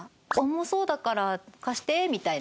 「重そうだから貸して」みたいな。